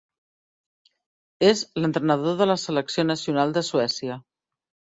És l'entrenador de la selecció nacional de Suècia.